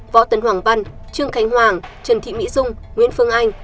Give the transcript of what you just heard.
võ tân hoàng văn trương khánh hoàng trần thị mỹ dung nguyễn phương anh